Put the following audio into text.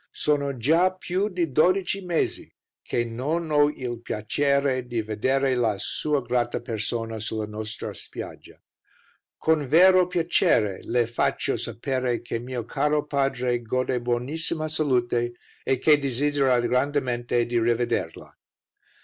"Sono gia piu di dodeci mesi che non ho il piacere di vedere la sua grata persona sulla nostra spiaggia. "Con vero piacere Le faccio sapere che mio caro padre gode buonissima salute e che desidera grandemente di rivederla.